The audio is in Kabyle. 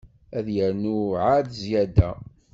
Ad yernu ɛad zyada.